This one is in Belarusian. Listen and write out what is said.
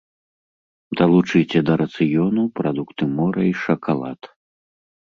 Далучыце да рацыёну прадукты мора і шакалад.